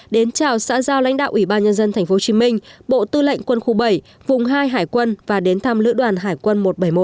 đến chào xã giao lãnh đạo ủy ban nhân dân tp hcm bộ tư lệnh quân khu bảy vùng hai hải quân và đến thăm lữ đoàn hải quân một trăm bảy mươi một